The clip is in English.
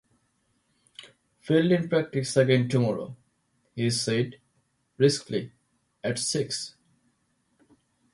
"Fielding practice again tomorrow," he said briskly, "at six."